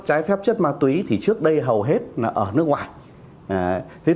trái phép chất ma túy thì trước đây hầu hết là ở nước ngoài